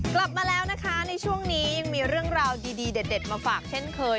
กลับมาแล้วนะคะในช่วงนี้ยังมีเรื่องราวดีเด็ดมาฝากเช่นเคย